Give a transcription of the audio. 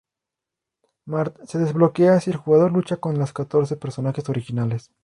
Marth se desbloquea si el jugador lucha con los catorce personajes originales.